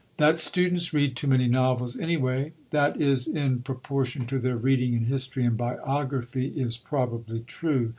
That students read too many novels anyway that is, in proportion to their reading in history and biography is probably true.